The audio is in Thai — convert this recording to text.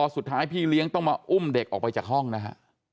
สุดท้ายพี่เลี้ยงต้องมาอุ้มเด็กออกไปจากห้องนะฮะ